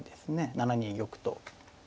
７二玉と。